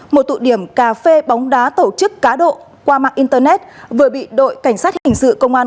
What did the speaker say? một tụ điểm cà phê bóng đá tổ chức cá độ qua mạng internet vừa bị đội cảnh sát hình sự công an